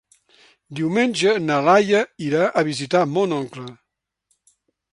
Diumenge na Laia irà a visitar mon oncle.